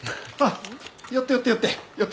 「寄って寄って寄って。